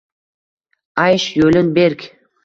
Aysh yo’lin berk